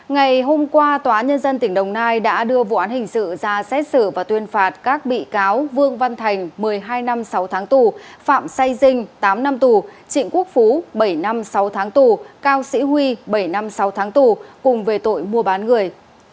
ngày hôm qua tòa nhân dân tỉnh đồng nai đã đưa vụ án hình sự ra xét xử và tuyên phạt các bị cáo vương văn thành một mươi hai năm sáu tháng tù phạm say dinh tám năm tù trịnh quốc phú bảy năm sáu tháng tù cao sĩ huy bảy năm sáu tháng tù cùng về tội mua bán người